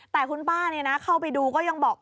แต่คุณป้าเข้าไปดูก็ยังบอก